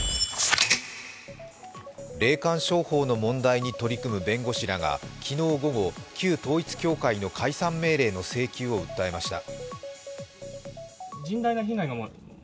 霊感商法の問題に取り組む弁護士らが昨日午後、旧統一教会の解散命令の請求を訴えました。